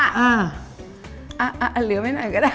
อ่ะอ่ะอ่ะเหลือไว้หน่อยก็ได้